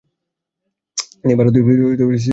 তিনি ভারতীয় সিভিল সার্ভিসে যোগ দেন।